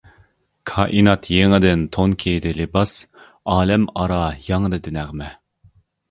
كائىنات يېڭىدىن تون كىيدى لىباس، ئالەم ئارا ياڭرىدى نەغمە.